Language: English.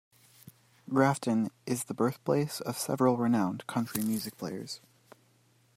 Grafton is the birthplace of several renowned country music players.